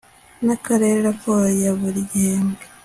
n akarere raporo ya buri gihembwe